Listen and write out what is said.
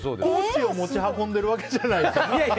ポーチを持ち運んでいるわけじゃない？